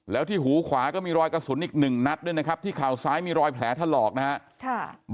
แล้วที่หูขวาก็มีรอยกระสุนอีกหนึ่งนัดด้วยนะครับที่เข่าซ้ายมีรอยแผลถลอกนะครับ